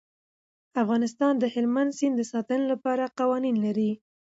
افغانستان د هلمند سیند د ساتنې لپاره قوانین لري.